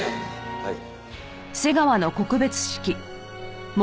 はい。